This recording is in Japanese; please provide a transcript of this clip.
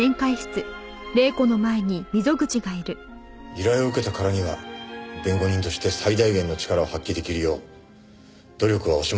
依頼を受けたからには弁護人として最大限の力を発揮出来るよう努力は惜しまないつもりです。